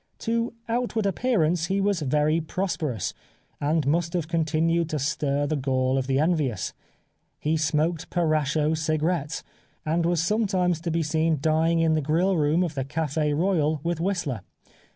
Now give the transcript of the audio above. To outward appearance he was very prosperous, and must have continued to stir the gall of the envious. He smoked Parascho cigarettes, and was sometimes to be seen dining in the grill room of the Cafe Royal with Whistler.